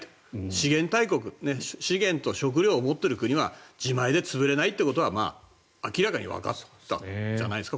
資源大国資源と食料を持っている国は自前で潰れないということが明らかにわかったんじゃないですか？